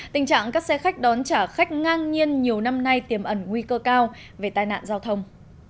tình trạng các xe khách đón trả khách ngang nhiên nhiều năm nay tiềm ẩn nguy cơ cao về tai nạn giao thông